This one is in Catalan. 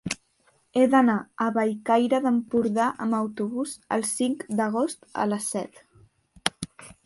He d'anar a Bellcaire d'Empordà amb autobús el cinc d'agost a les set.